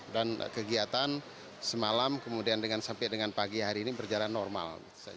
dan kegiatan semalam kemudian sampai dengan pagi hari ini berjalan normal